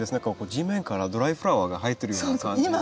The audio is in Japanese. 地面からドライフラワーが生えているような感じですね。